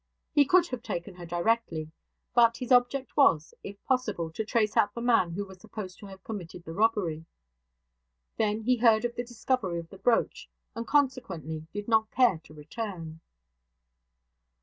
He could have taken her directly; but his object was, if possible, to trace out the man who was supposed to have committed the robbery. Then he heard of the discovery of the brooch; and consequently did not care to return.